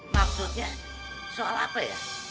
maksudnya soal apa ya